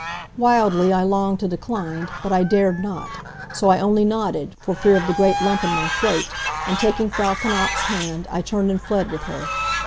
Wildly I longed to decline, but I dared not. So I only nodded, for fear of the great lump in my throat, and taking Frau Knapf's hand I turned and fled with her.